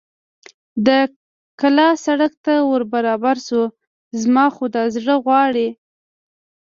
د کلا سړک ته ور برابر شو، زما خو دا زړه غواړي.